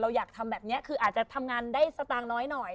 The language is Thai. เราทำอย่างนี้อาจจะทำงานได้สตางค์น้อยหน่อย